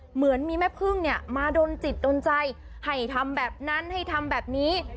เหมือนมีแม่พึ่งเนี่ยมาดนจิตโดนใจให้ทำแบบนั้นให้ทำแบบนี้